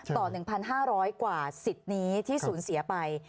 ต่อ๑๕๐๐กว่าสิทธิ์นี้ที่สูญเสียไป